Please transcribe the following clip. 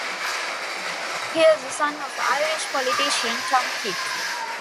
He is the son of Irish politician Tom Kitt.